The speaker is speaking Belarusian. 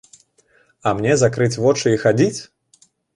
А мне закрыць вочы і хадзіць?